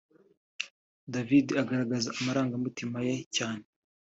David aragaza amarangamutima ye cyane